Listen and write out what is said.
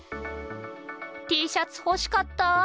Ｔシャツ欲しかったぁ。